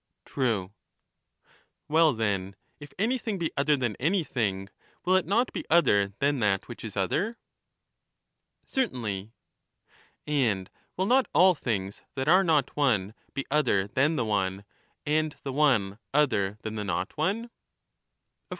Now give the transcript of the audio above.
True. Well, then, if anything be other than anything, will it not be other than that which is other ? Certainly. And will not all things that are not one, be other than the one, and the one other than the not one